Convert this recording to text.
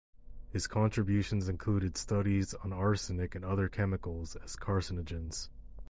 His contributions included studies on arsenic and other chemicals as carcinogens.